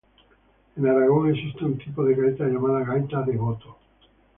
En Aragón existe un tipo de gaita llamada gaita de boto.